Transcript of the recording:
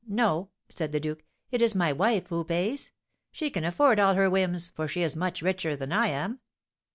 _ no," said the duke; "it is my wife who pays. She can afford all her whims, for she is much richer than I am."